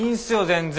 全然。